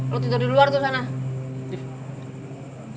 lo tidur di luar tuh sana